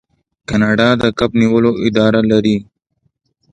کاناډا د کب نیولو اداره لري.